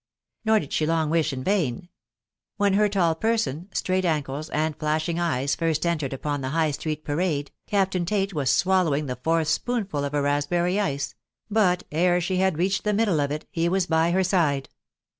Nor did she long wish in vain. When her tall person, straight ankles, and flashing eyes first entered upon the "High Street Parade," Captain Tate was swallowing the fourth spoonful of a raspberry ice; but, ere she had reached the middle of it, he was by her side.